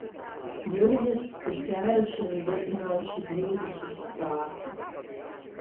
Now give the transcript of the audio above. Burvjus ir ķēruši un dedzinājuši dzīvus uz sārta.